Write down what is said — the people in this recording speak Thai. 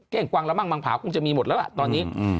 ้งกวางแล้วมั่งมังผาคงจะมีหมดแล้วล่ะตอนนี้